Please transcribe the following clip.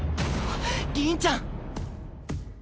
凛ちゃん！